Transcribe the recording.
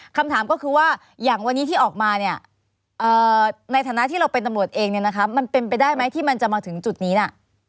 คำถามก็คือว่าอย่างวันนี้ที่ออกมาเนี่ยในฐานะที่เราเป็นตำรวจเองเนี่ยนะคะมันเป็นไปได้ไหมที่มันจะมาถึงจุดนี้น่ะ